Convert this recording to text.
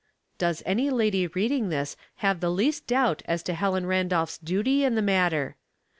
Does any lady reading this have the least doubt as to Helen Randolph's duty in the matter?